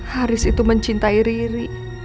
haris itu mencintai riri